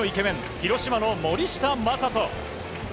広島の森下暢仁。